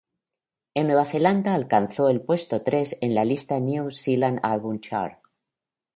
En Nueva Zelanda, alcanzó el puesto tres en la lista New Zealand Albums Chart.